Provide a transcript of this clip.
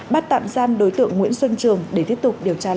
bắt tạm giam đối tượng nguyễn xuân trường để tiếp tục điều tra làm rõ